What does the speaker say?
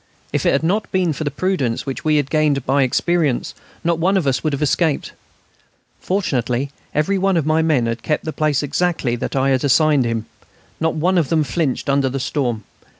If it had not been for the prudence which we had gained by experience not one of us would have escaped. Fortunately every one of my men had kept the place exactly that I had assigned him. Not one of them flinched under the storm.